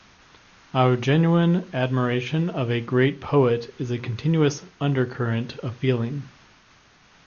Our genuine admiration of a great poet is a continuous undercurrent of feeling.